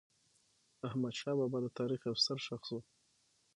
احمدشاه بابا د تاریخ یو ستر شخص و.